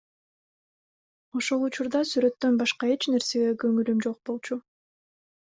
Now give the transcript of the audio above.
Ошол учурда сүрөттөн башка эч нерсеге көңүлүм жок болчу.